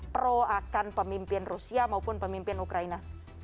pro akan pemimpin rusia maupun pemimpin ukraina